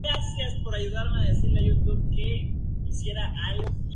Se ha encontrado gran cantidad de material lítico y óseo.